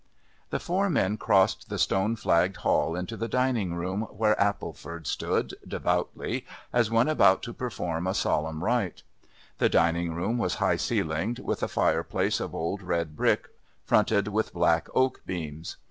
The four men crossed the stone flagged hall into the diningroom where Appleford stood, devoutly, as one about to perform a solemn rite. The dining room was high ceilinged with a fireplace of old red brick fronted with black oak beams.